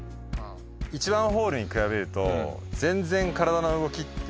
１番ホールに比べると全然。